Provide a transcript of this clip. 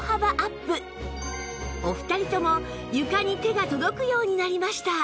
お二人とも床に手が届くようになりました